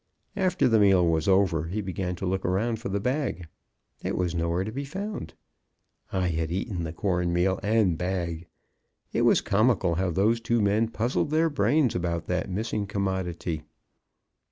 After the meal was over, he began to look around for the bag. It was nowhere to be found; I had eaten the corn meal and bag. It was comical how those two men puzzled their brains about that missing commodity.